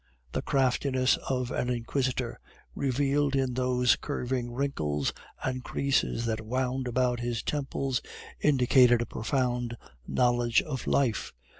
The craftiness of an inquisitor, revealed in those curving wrinkles and creases that wound about his temples, indicated a profound knowledge of life.